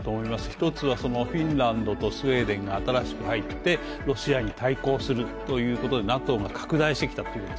一つはフィンランドとスウェーデンが新しく入ってロシアに対抗するということにＮＡＴＯが拡大してきたということ。